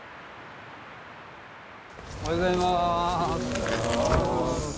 おはようございます。